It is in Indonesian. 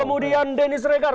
kemudian dennis regar